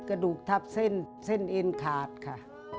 กระดูกทับเส้นเส้นเอ็นขาดค่ะ